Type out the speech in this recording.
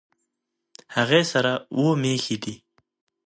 هغې سره اووه مېښې دي